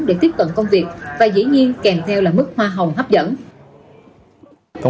để tiếp cận công việc và dĩ nhiên kèm theo là mức hoa hồng hấp dẫn